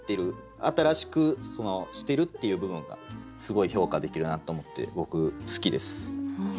新しくしてるっていう部分がすごい評価できるなと思って僕好きです。